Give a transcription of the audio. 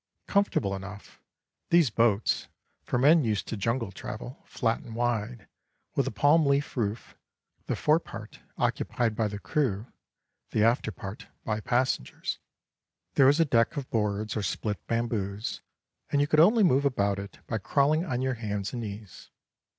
Comfortable enough, these boats, for men used to jungle travel; flat and wide, with a palm leaf roof, the fore part occupied by the crew, the after part by passengers. There was a deck of boards or split bamboos, and you could only move about it by crawling on your hands and knees.